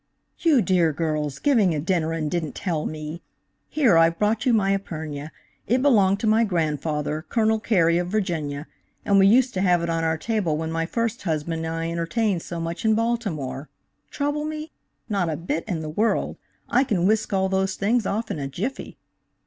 "You dear girls, giving a dinner and didn't tell me? Here I've brought you my épergne. It belonged to my grandfather, Colonel Carey, of Virginia, and we used to have it on our table when my first husband and I entertained so much in Baltimore. Trouble me? Not a bit in the world. I can whisk all those things off in a jiffy."